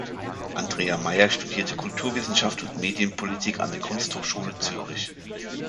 Andrea Meier studierte Kulturwissenschaft und Medienpolitik an der Kunsthochschule Zürich.